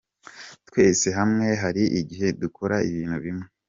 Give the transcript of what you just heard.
Twese hamwe hari igihe dukora ibintu bimwe.